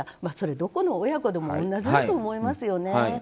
どこの親子でも同じだと思います。